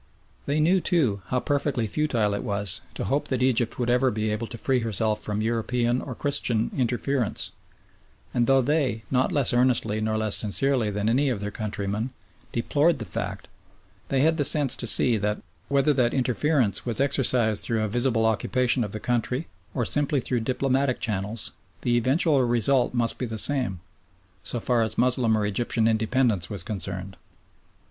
They knew, too, how perfectly futile it was to hope that Egypt would ever be able to free herself from European or Christian interference, and though they, not less earnestly nor less sincerely than any of their countrymen, deplored the fact, they had the sense to see that whether that interference was exercised through a visible occupation of the country, or simply through diplomatic channels, the eventual result must be the same, so far as Moslem or Egyptian independence was concerned.